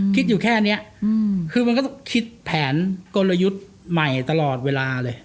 คิดอยู่แค่นี้คือมันก็ต้องคิดแผนกลยุทธ์ใหม่ตลอดเวลาเลย